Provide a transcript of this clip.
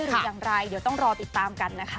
หรืออย่างไรเดี๋ยวต้องรอติดตามกันนะคะ